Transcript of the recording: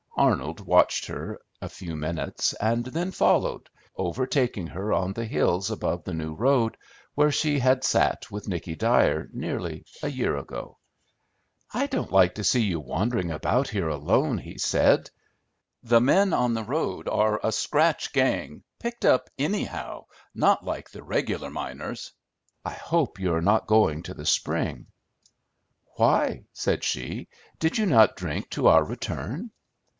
Arnold watched her a few minutes, and then followed, overtaking her on the hills above the new road, where she had sat with Nicky Dyer nearly a year ago. "I don't like to see you wandering about here, alone," he said. "The men on the road are a scratch gang, picked up anyhow, not like the regular miners. I hope you are not going to the spring!" "Why?" said she. "Did you not drink to our return?"